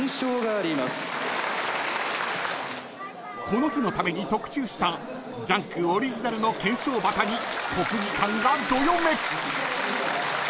［この日のために特注した『ジャンク』オリジナルの懸賞旗に国技館がどよめく］